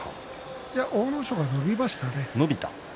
いや、阿武咲が伸びましたね。